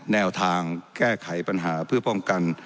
แนวทางแก้ไขปัญหาเพื่อป้องกัน